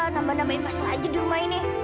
nama namain masalah aja di rumah ini